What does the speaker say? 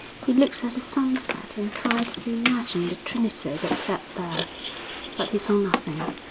He looked at the sunset and tried to imagine the Trinity that sat there, but he saw nothing.